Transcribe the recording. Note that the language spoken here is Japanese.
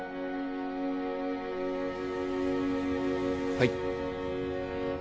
はい。